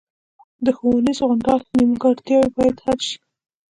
د ښوونیز غونډال نیمګړتیاوې باید حل شي